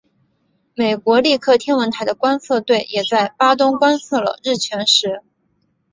美国利克天文台的观测队也在巴东观测了日全食。